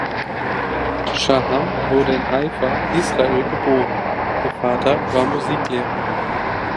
Shaham wurde in Haifa, Israel, geboren; ihr Vater war Musiklehrer.